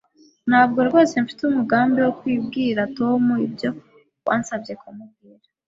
Ntabwo rwose mfite umugambi wo kubwira Tom ibyo wansabye kumubwira